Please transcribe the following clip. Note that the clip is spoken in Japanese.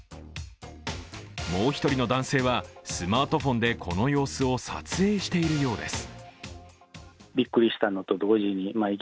もう一人の男性は、スマートフォンでこの様子を撮影しているようです。